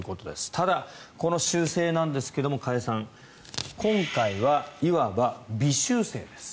ただ、この修正なんですが加谷さん今回はいわば微修正です。